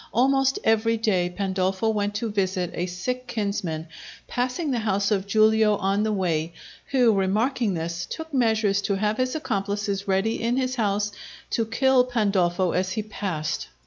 Almost every day Pandolfo went to visit a sick kinsman, passing the house of Giulio on the way, who, remarking this, took measures to have his accomplices ready in his house to kill Pandolfo as he passed.